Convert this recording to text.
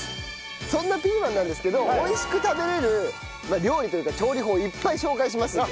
そんなピーマンなんですけど美味しく食べられる料理というか調理法をいっぱい紹介しますんで。